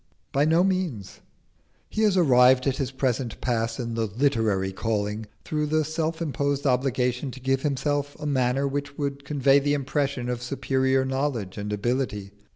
By no means. He has arrived at his present pass in "the literary calling" through the self imposed obligation to give himself a manner which would convey the impression of superior knowledge and ability.